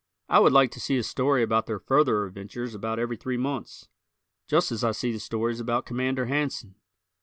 I would like to see a story about their further adventures about every three months, just as I see the stories about Commander Hanson.